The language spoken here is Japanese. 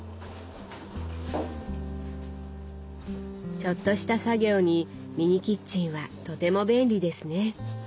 ちょっとした作業にミニキッチンはとても便利ですね。